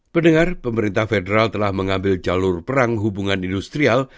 pendengar pemerintah federal telah mengambil jalur perang hubungan industrial